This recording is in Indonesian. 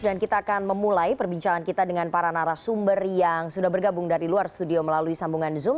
dan kita akan memulai perbincangan kita dengan para narasumber yang sudah bergabung dari luar studio melalui sambungan zoom